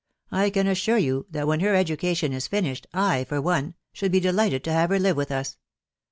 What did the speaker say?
I can assure you, that when her education is. finished, I, for one, .should be delighted to have her live with us.